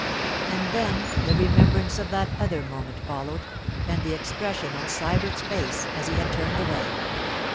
And then the remembrance of that other moment followed, and the expression on Sybert's face as he had turned away.